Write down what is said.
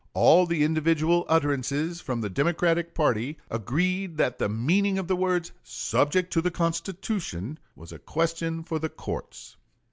All the individual utterances from the Democratic party agreed that the meaning of the words "subject to the Constitution" was a question for the courts.